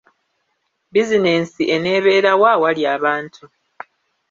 Bizinensi eneebeera wa awali abantu?